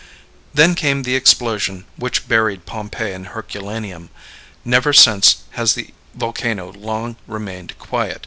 Then came the explosion which buried Pompeii and Herculaneum. Never since has the volcano long remained quiet.